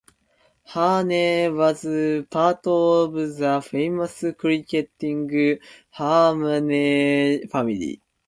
Hearne was part of the famous cricketing Hearne family.